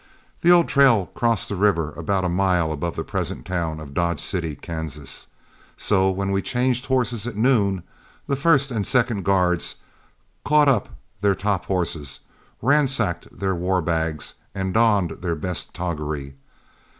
The old trail crossed the river about a mile above the present town of Dodge City, Kansas, so when we changed horses at noon, the first and second guards caught up their top horses, ransacked their war bags, and donned their best toggery.